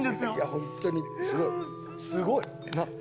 いや、本当にすごい、すごい！